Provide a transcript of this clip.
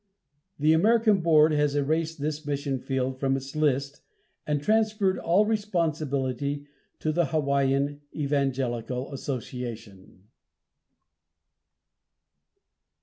The American Board has erased this mission from its list and transferred all responsibility to the Hawaiian Evangelical Association.